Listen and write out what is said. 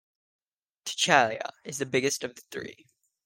"Tchaila" is the biggest of the three.